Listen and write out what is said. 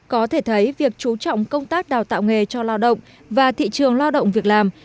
có thể thấy việc chú trọng công tác đào tạo nghề cho lao động và thị trường lao động việc làm